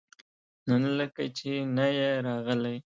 نن لکه چې نه يې راغلی؟